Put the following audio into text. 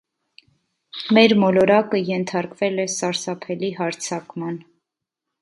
Մեր մոլորակը ենթարկվել է սարսափելի հարձակման։